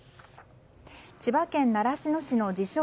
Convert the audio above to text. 千葉県習志野市の自称